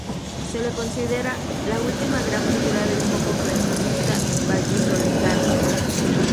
Se le considera "la última gran figura del foco clasicista vallisoletano".